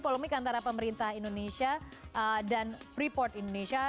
polemik antara pemerintah indonesia dan freeport indonesia